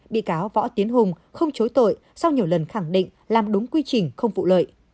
bị cáo võ tiến hùng không chối tội sau nhiều lần khẳng định làm đúng quy trình không vụ lợi